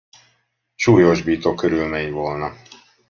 Súlyosbító körülmény volna.